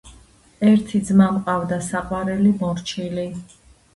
ერთი ძმა მყავდა, საყვარელი, მორჩილი